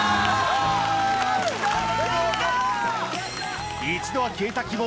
やった！